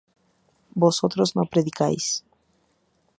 vosotros no predicáis